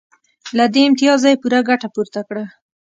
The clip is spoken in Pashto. له دې امتیازه یې پوره ګټه پورته کړه